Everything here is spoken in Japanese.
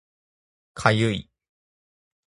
かゆい